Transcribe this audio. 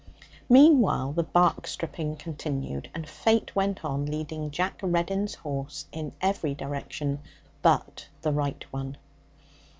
Meanwhile, the bark stripping continued, and fate went on leading Jack Reddin's horse in every direction but the right one.